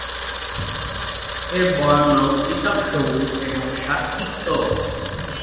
এর বর্ণ পীতাভ-সবুজ এবং স্বাদ তিক্ত।